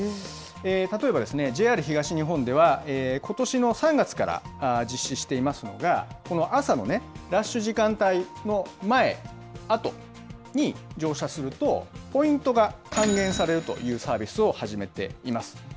例えばＪＲ東日本では、ことしの３月から実施していますのが、この朝のラッシュ時間帯の前、後に乗車すると、ポイントが還元されるというサービスを始めています。